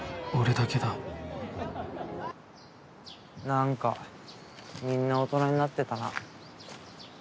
なんかみんな大人になってたな。